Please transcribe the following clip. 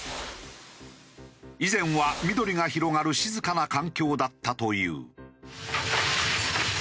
以前は緑が広がる静かな環境だったという。